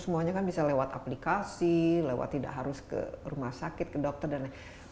semuanya kan bisa lewat aplikasi lewat tidak harus ke rumah sakit ke dokter dan lain sebagainya